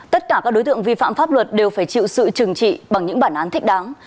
tất cả các đối tượng vi phạm pháp luật đều phải chịu sự trừng trị bằng những bản án thích đáng